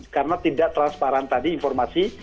karena tidak transparan tadi informasi